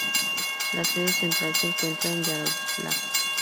La sede central se encuentra en Yaroslavl.